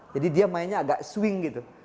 jadi dia mainnya agak swing gitu